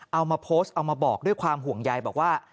เอามาโพสต์เอามาบอกด้วยความห่วงใยบอกว่า